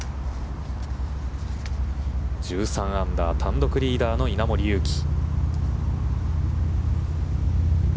１３アンダー単独リーダーの稲森佑貴。